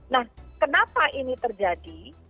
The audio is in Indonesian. nah kenapa ini terjadi